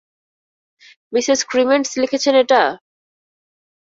Mrs Krementz লিখেছেন এটা?